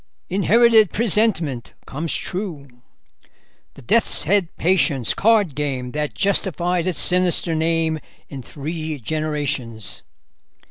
"Inherited presentiment comes true." "The Death's Head patience: Card game that justified its sinister name in three generations."